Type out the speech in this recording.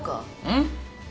うん？